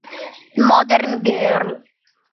Modern Girl